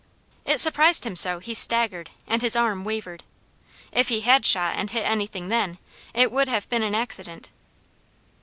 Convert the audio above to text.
It surprised him so, he staggered, and his arm wavered. If he had shot and hit anything then, it would have been an accident.